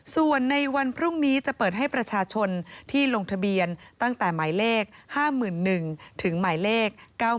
ส่วนในวันพรุ่งนี้จะเปิดให้ประชาชนที่ลงทะเบียนตั้งแต่หมายเลข๕๑๐๐ถึงหมายเลข๙๑